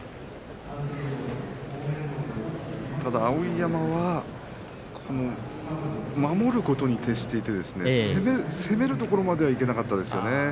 碧山は守ることに徹していて攻めるところまではいけなかったですね。